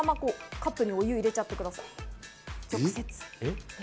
カップに直接お湯を入れてください。